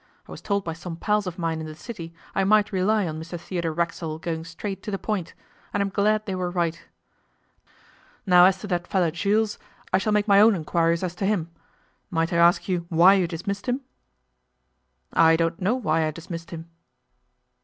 I was told by some pals of mine in the City I might rely on Mr Theodore Racksole going straight to the point, and I'm glad they were right. Now as to that feller Jules, I shall make my own inquiries as to him. Might I ask you why you dismissed him?' 'I don't know why I dismissed him.